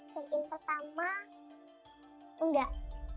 check in pertama enggak